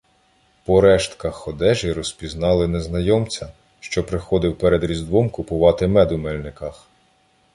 По рештках одежі розпізнали незнайомця, що приходив перед Різдвом купувати мед у Мельниках.